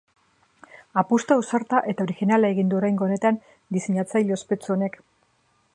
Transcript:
Apustu ausarta eta orijinala egin du oraingo honetan diseinatzaile ospetsu honek.